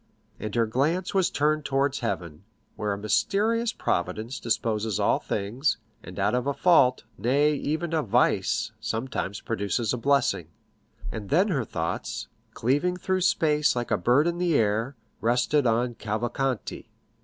And her glance was turned towards heaven, where a mysterious Providence disposes all things, and out of a fault, nay, even a vice, sometimes produces a blessing. And then her thoughts, cleaving through space like a bird in the air, rested on Cavalcanti.